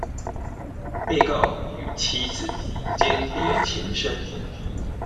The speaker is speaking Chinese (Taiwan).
被告與妻子鰜鰈情深